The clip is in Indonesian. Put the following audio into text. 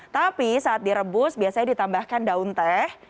tapi saat direbus biasanya ditambahkan daun teh